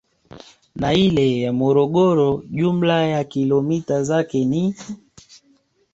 Na ile ya Morogoro jumla ya kilomita zake ni